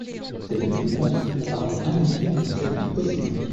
Cette boucle constitue la partie inductive d'un circuit oscillant.